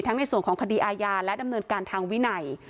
ในส่วนของคดีอาญาและดำเนินการทางวินัย